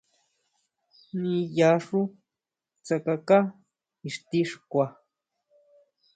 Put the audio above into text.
ʼNiʼyaxú tsákaká ixti xkua.